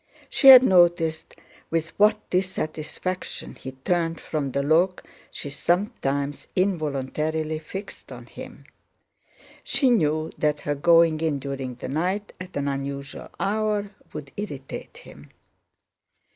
She had noticed with what dissatisfaction he turned from the look she sometimes involuntarily fixed on him. She knew that her going in during the night at an unusual hour would irritate him.